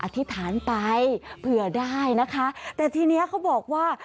อธิษฐานไปเผื่อได้นะคะแต่ทีนี้เขาบอกว่า